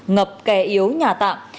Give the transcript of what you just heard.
ngập kè yếu nhà tạm